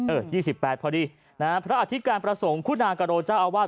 ๒๘พอดีนะฮะพระอธิการประสงค์คุณากะโรเจ้าอาวาส